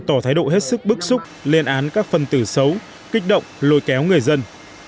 thái độ hết sức bức xúc liên án các phân tử xấu kích động lôi kéo người dân